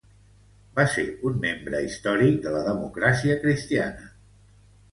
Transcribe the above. Va ser un membre històric de la Democràcia Cristiana.